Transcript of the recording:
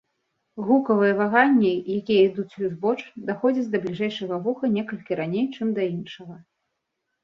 Гукавыя ваганні, якія ідуць узбоч, даходзяць да бліжэйшага вуха некалькі раней, чым да іншага.